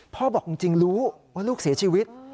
บอกจริงรู้ว่าลูกเสียชีวิต